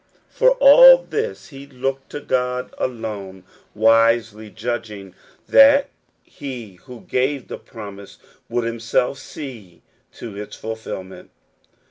For all this he looked to God alone, wisely judging that he who gave the promise would himself see to its fulfillment.